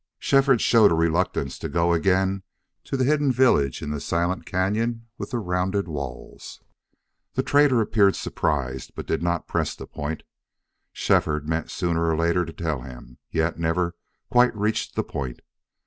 Shefford showed a reluctance to go again to the hidden village in the silent cañon with the rounded walls. The trader appeared surprised, but did not press the point. And Shefford meant sooner or later to tell him, yet never quite reached the point.